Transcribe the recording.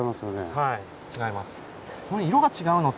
はい違います。